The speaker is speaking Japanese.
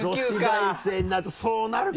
女子大生になるとそうなるか。